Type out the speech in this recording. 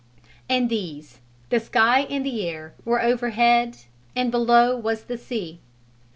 And these the sky and the air were overhead; and below was the sea.